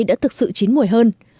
đã thực sự chín mùi hơn